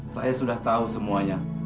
saya sudah tahu semuanya